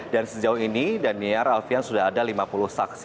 dan sejauh ini daniel dan alvian sudah ada lima puluh saksi